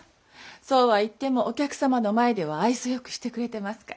そうは言ってもお客様の前では愛想良くしてくれてますから。